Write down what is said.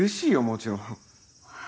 もちろん。